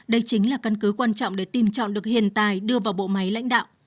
đây chính là căn cứ quan trọng để tìm chọn được hiền tài đưa vào bộ máy lãnh đạo